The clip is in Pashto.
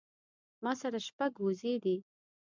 ما سره شپږ وزې دي